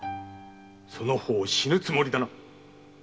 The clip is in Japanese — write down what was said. その方死ぬつもりだな